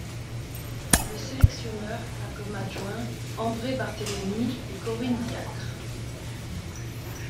Le sélectionneur a comme adjoints André Barthélémy et Corinne Diacre.